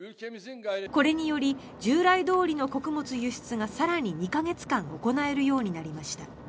これにより、従来どおりの穀物輸出が更に２か月間行えるようになりました。